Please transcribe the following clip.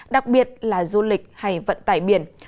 đặc biệt là du lịch hay vận tải biển